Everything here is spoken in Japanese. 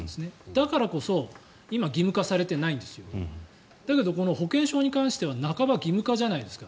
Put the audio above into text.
だからこそ、今義務化されてないんですよ。だけどこの保険証に関しては半ば義務化じゃないですか。